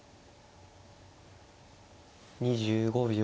２５秒。